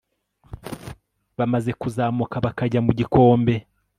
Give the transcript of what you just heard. bamaze kuzamuka bakajya mu gikombe